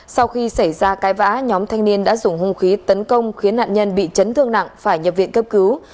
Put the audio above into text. sau khi xảy ra cái vã nhóm thanh niên đã dùng hung khí tấn công khiến nạn nhân bị chấn thương nặng phải nhập viện cấp cứu